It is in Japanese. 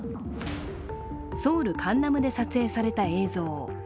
ソウル・カンナムで撮影された映像。